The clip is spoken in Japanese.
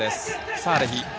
サーレヒ。